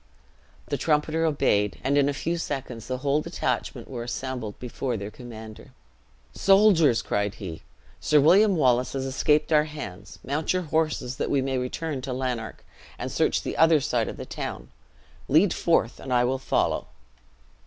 The trumpeter obeyed; and in a few seconds the whole detachment were assembled before their commander. "Soldiers!" cried he, "Sir William Wallace has escaped our hands. Mount your horses, that we may return to Lanark, and search the other side of the town. Lead forth, and I will follow."